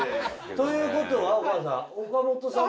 ということはお母さん。